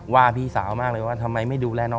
ว่าพี่สาวมากเลยว่าทำไมไม่ดูแลน้อง